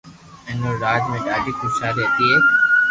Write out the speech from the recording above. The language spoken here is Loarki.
ھين اوري راج ۾ ڌاڌي خوݾالي ھتي ايڪ